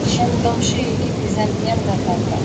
შემდგომში იგი ბიზანტიამ დაკარგა.